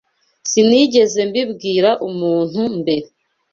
Sinigeze mbibwira umuntu mbere.